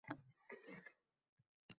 Lochinxonada eski qo‘rg‘on oldida turibman.